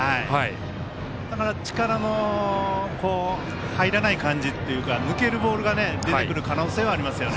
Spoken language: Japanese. だから力の入らない感じというか抜けるボールが出てくる可能性はありますね。